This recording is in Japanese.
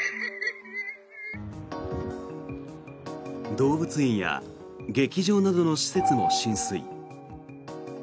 動物園や劇場などの施設も浸水。